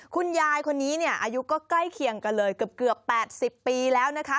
คุณยายคนนี้เนี่ยอายุก็ใกล้เคียงกันเลยเกือบ๘๐ปีแล้วนะคะ